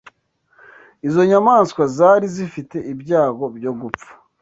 Izo nyamaswa zari zifite ibyago byo gupfa.